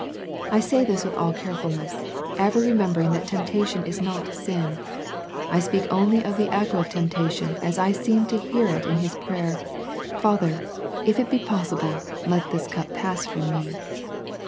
I say this with all careful ness, ever remembering that temptation is not sin. I speak only of the echo of temptation as I seem to hear it in His prayer " Father if it be possible, let this cup pass from Me."